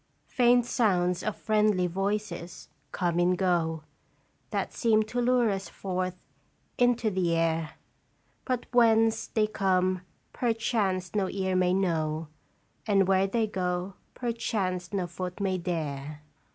Faint sounds of friendly voices come and go, That seem to lure us forth into the air ; But whence they come perchance no ear may know, And where they go perchance no foot may dare."